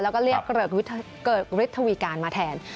แล้วก็เรียกเกริกฤทธวีการมาแทน